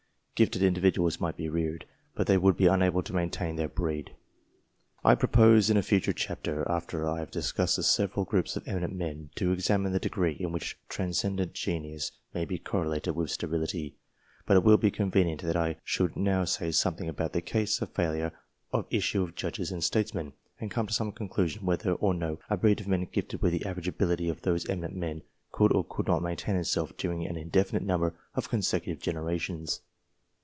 Gifted individuals might be reared, but they would be unable to maintain their breed. I propose in a future chapter, after I have dis cussed the several groups of eminent men, to examine the degree in which transcendent genius may be correlated with sterility, but it will be convenient that I should now say something about the causes of failure of issue of Judges and Statesmen, and come to some conclusion whether or no a breed of men gifted with the average ability of those eminent men, could or could not maintain itself during an indefinite number of consecutive genera tions.